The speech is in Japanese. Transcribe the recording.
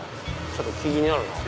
ちょっと気になるなぁ。